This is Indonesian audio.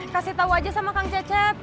kasih tahu aja sama kang cecep